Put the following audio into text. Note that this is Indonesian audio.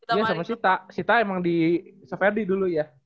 sita sama sita sita emang di sofewadi dulu ya